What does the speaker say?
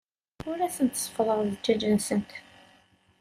Ur asent-seffḍeɣ zzjaj-nsent.